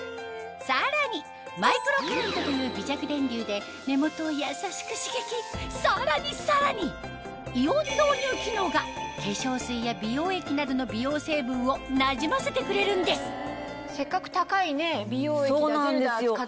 さらにマイクロカレントという微弱電流で目元を優しく刺激さらにさらにイオン導入機能が化粧水や美容液などの美容成分をなじませてくれるんですせっかく高い美容液だジェルだ使ってもね。